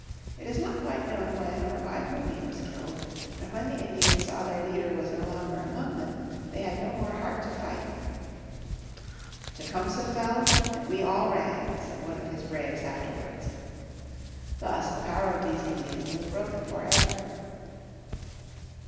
It is not quite known when or by whom he was killed. But when the Indians saw their leader was no longer among them they had no more heart to fight. "Tecumseh fell and we all ran," said one of his braves afterwards. Thus the power of these Indians was broken for ever.